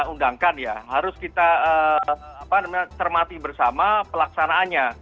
undangkan ya harus kita cermati bersama pelaksanaannya